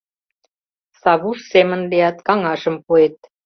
— Савуш семын лият, каҥашым пуэт.